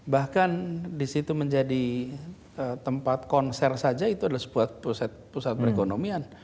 bahkan disitu menjadi tempat konser saja itu adalah sebuah pusat perekonomian